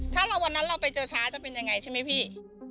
ถ้าวันนั้นเราไปเจอช้าจะเป็นยังไงใช่ไหมพี่